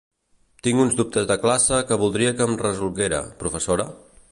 Tinc uns dubtes de classe que voldria que em resolguera, professora?